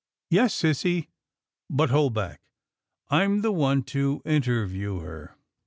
" Yes, sissy, but hold back. I'm the one to in terview her.